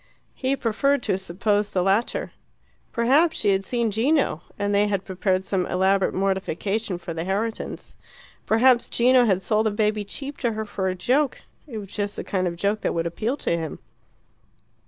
He preferred to suppose the latter. Perhaps she had seen Gino, and they had prepared some elaborate mortification for the Herritons. Perhaps Gino had sold the baby cheap to her for a joke: it was just the kind of joke that would appeal to him.